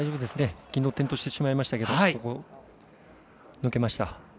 きのう転倒してしまいましたけど抜けました。